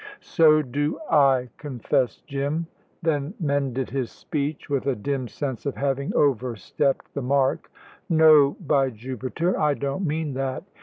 "So do I," confessed Jim; then mended his speech with a dim sense of having overstepped the mark: "No, by Jupiter, I don't mean that.